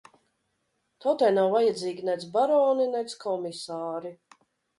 Tautai nav vajadzīgi nedz baroni, nedz komisāri!